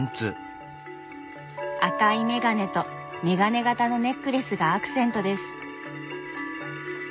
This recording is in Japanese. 赤いメガネとメガネ形のネックレスがアクセントです。